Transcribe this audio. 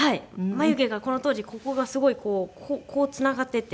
眉毛がこの当時ここがすごいこうつながってて。